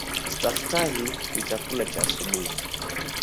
Staftahi ni chakula cha asubuhi.